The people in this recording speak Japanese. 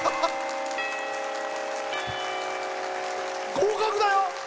合格だよ！